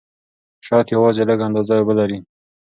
شات یوازې لږه اندازه اوبه لري.